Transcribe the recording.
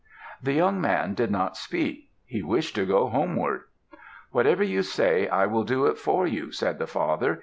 The young man did not speak. He wished to go homeward. "Whatever you say I will do it for you," said the father.